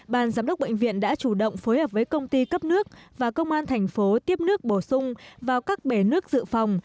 ban giám đốc bệnh viện đã chủ động phối hợp với công ty cấp nước và công an thành phố tiếp nước bổ sung vào các bể nước dự phòng